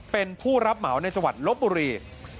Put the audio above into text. เป็นผู้รับเหมาในจังหวัดลบบุรี